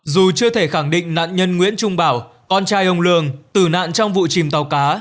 dù chưa thể khẳng định nạn nhân nguyễn trung bảo con trai ông lương tử nạn trong vụ chìm tàu cá